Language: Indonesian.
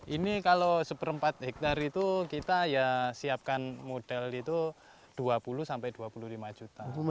ini kalau seperempat hektare itu kita ya siapkan model itu dua puluh sampai dua puluh lima juta